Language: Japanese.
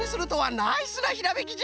ナイスなひらめきじゃ！